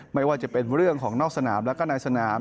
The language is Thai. ไม่ว่าจะเป็นเรื่องของนอกสนามแล้วก็ในสนาม